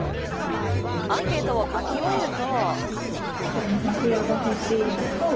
アンケートを書き終えると。